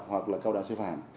hoặc là cao đoạn sư phạm